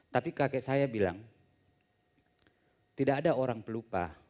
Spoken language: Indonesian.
tapi kakek saya bilang tidak ada orang pelupa